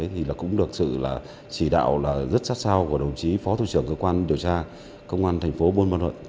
thì cũng được sự chỉ đạo rất sát sao của đồng chí phó thủ trưởng cơ quan điều tra công an thành phố buôn ma thuận